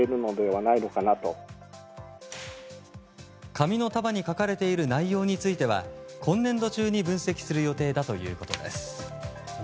紙の束に書かれている内容については今年度中に分析する予定だということです。